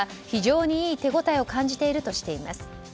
非常にいい手応えを感じているとしています。